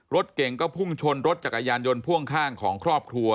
รถเก่งก็พุ่งชนรถจักรยานยนต์พ่วงข้างของครอบครัว